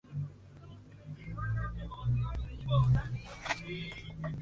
Se ha vuelto a montar a partir del material sin editar.